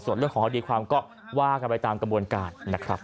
ส่วนเรื่องของคดีความก็ว่ากันไปตามกระบวนการนะครับ